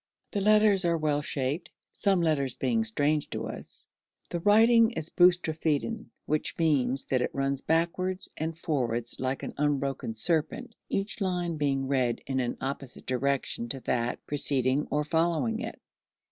The letters are well shaped, some letters being strange to us. The writing is boustrephedon, which means that it runs backward and forward like an unbroken serpent, each line being read in an opposite direction to that preceding or following it.